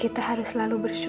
terus kamu nih